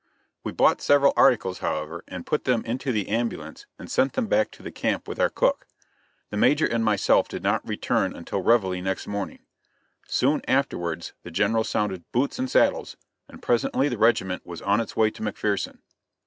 We bought several articles, however, and put them into the ambulance and sent them back to the camp with our cook. The Major and myself did not return until reveille next morning. Soon afterwards the General sounded "boots and saddles," and presently the regiment was on its way to McPherson.